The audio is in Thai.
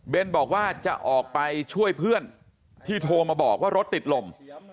เป็นบอกว่าจะออกไปช่วยเพื่อนที่โทรมาบอกว่ารถติดลม